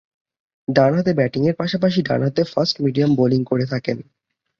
ডানহাতে ব্যাটিংয়ের পাশাপাশি ডানহাতে ফাস্ট-মিডিয়াম বোলিং করে থাকেন।